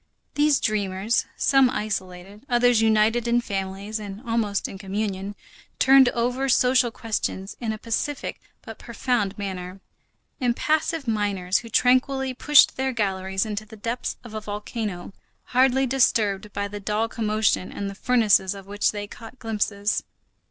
These dreamers, some isolated, others united in families and almost in communion, turned over social questions in a pacific but profound manner; impassive miners, who tranquilly pushed their galleries into the depths of a volcano, hardly disturbed by the dull commotion and the furnaces of which they caught glimpses.